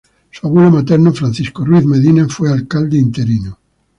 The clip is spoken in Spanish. Su abuelo materno, Francisco Ruiz Medina, fue alcalde interino.